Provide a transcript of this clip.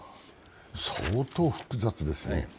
相当複雑ですね。